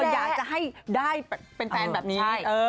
อยากจะให้ได้เป็นแฟนแบบนี้